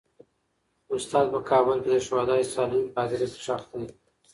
استاد په کابل کې د شهدا صالحین په هدیره کې خښ دی.